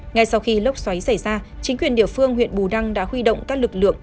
ngay sau khi lốc xoáy xảy ra chính quyền địa phương huyện bù đăng đã huy động các lực lượng